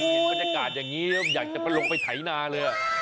คุณกินบรรยากาศอย่างงี้อยากจะลงไปไถ่นาเลยอ่ะ